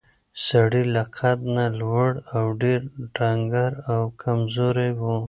سړی له قد نه لوړ او ډېر ډنګر او کمزوری و.